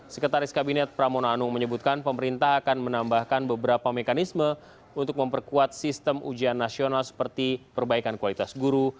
sekretaris kabinet pramono anung menyebutkan pemerintah akan menambahkan beberapa mekanisme untuk memperkuat sistem ujian nasional seperti perbaikan kualitas guru